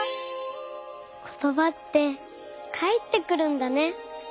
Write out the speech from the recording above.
ことばってかえってくるんだね。